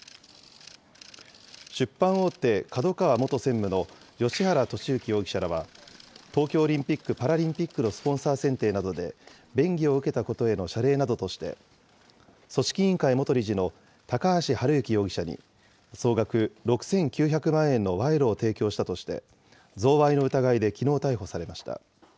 出版大手、ＫＡＤＯＫＡＷＡ元専務の芳原世幸容疑者らは、東京オリンピック・パラリンピックのスポンサー選定などで、便宜を受けたことへの謝礼などとして、組織委員会元理事の高橋治之容疑者に、総額６９００万円の賄賂を提供したとして、贈賄の疑いできのう逮捕されました。